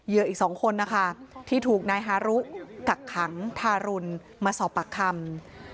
อีก๒คนนะคะที่ถูกนายฮารุกักขังทารุณมาสอบปากคำ